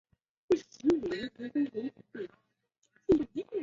霍震寰也有少时海外求学的经历。